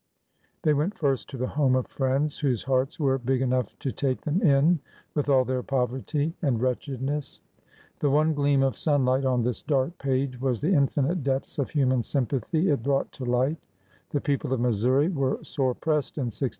They went first to the home of friends whose hearts were big enough to take them in with all their poverty and wretchedness. The one gleam of sunlight on this dark page was the infinite depths of human sympathy it brought to light. The people of Missouri were sore pressed in '63.